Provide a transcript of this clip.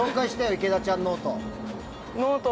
池田ちゃんノート。